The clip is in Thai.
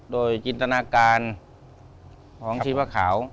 โดยจินตนาการของชีวะขาว